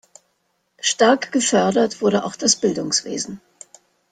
Stark gefördert wurde auch das Bildungswesen.